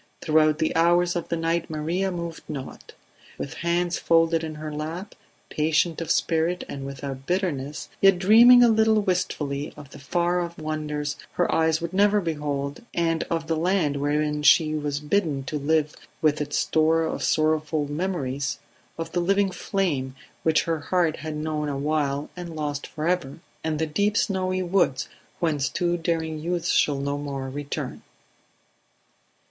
Throughout the hours of the night Maria moved not; with hands folded in her lap, patient of spirit and without bitterness, yet dreaming a little wistfully of the far off wonders her eyes would never behold and of the land wherein she was bidden to live with its store of sorrowful memories; of the living flame which her heart had known awhile and lost forever, and the deep snowy woods whence too daring youths shall no more return.